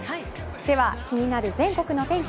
では、気になる全国のお天気